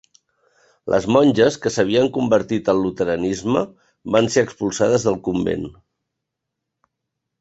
Les monges, que s'havien convertit al Luteranisme, van ser expulsades del convent.